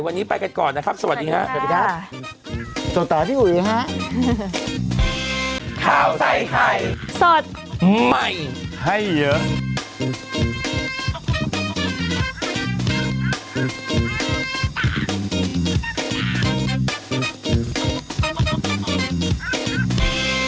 วันนี้ไปกันก่อนนะครับสวัสดีครับ